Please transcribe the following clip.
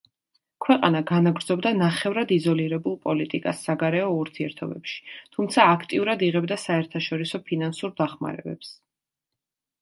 ქვეყანა განაგრძობდა ნახევრად იზოლირებულ პოლიტიკას საგარეო ურთიერთობებში, თუმცა აქტიურად იღებდა საერთაშორისო ფინანსურ დახმარებებს.